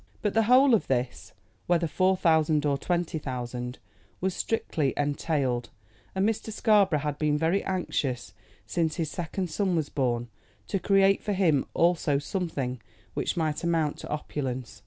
But the whole of this, whether four thousand or twenty thousand, was strictly entailed, and Mr. Scarborough had been very anxious, since his second son was born, to create for him also something which might amount to opulence.